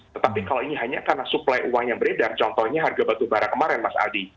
tetapi kalau ini hanya karena supply uang yang beredar contohnya harga batu bara kemarin mas adi